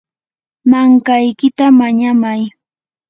mankaykita mañamay.